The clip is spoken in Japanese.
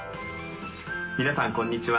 皆さんこんにちは。